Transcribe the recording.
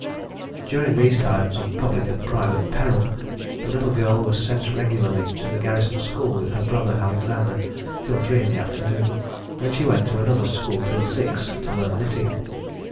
During these times of public and private peril, the little girl was sent regularly to the garrison school with her brother Alexander till three in the afternoon, when she went to another school till six, to learn knitting.